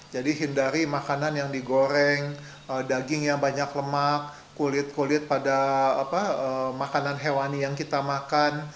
jadi hindari makanan yang digoreng daging yang banyak lemak kulit kulit pada makanan hewani yang kita makan